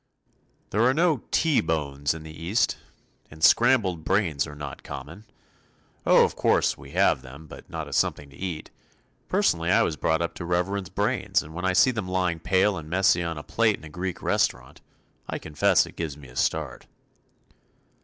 There are no "T" bones in the East. And scrambled brains are not common. Oh, of course, we have them but not as something to eat. Personally, I was brought up to reverence brains and when I see them lying pale and messy on a plate in a Greek restaurant, I confess it gives me a start.